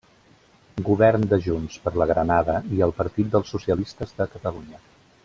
Govern de Junts per la Granada i el Partit dels Socialistes de Catalunya.